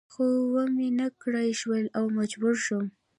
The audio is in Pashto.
خو و مې نه کړای شول او مجبور شوم.